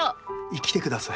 生きてください。